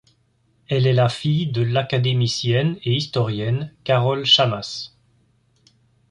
Elle est la fille de l'académicienne et historienne Carole Shammas.